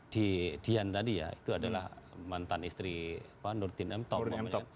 di dian tadi ya itu adalah mantan istri apa nurtin emtok